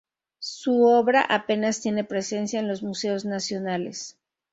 Su obra apenas tiene presencia en los museos nacionales.